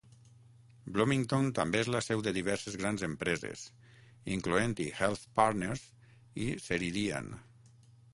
Bloomington també és la seu de diverses grans empreses, incloent-hi HealthPartners i Ceridian.